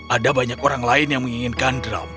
ada banyak orang lain yang menginginkan drum